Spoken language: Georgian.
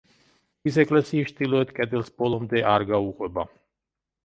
ის ეკლესიის ჩრდილოეთ კედელს ბოლომდე არ გაუყვება.